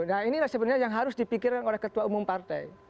nah inilah sebenarnya yang harus dipikirkan oleh ketua umum partai